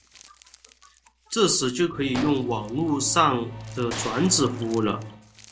这时就可以用网路上的转址服务了。